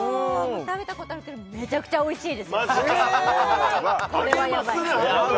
食べたことあるけどめちゃくちゃおいしいですよマジか！